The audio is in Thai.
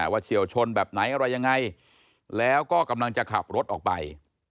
เฉียวชนแบบไหนอะไรยังไงแล้วก็กำลังจะขับรถออกไป